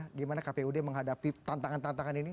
bagaimana kpud menghadapi tantangan tantangan ini